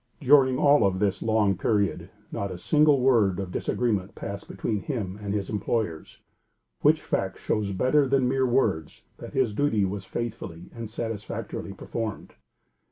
During all of this long period not a single word of disagreement passed between him and his employers, which fact shows better than mere words, that his duty was faithfully and satisfactorily performed.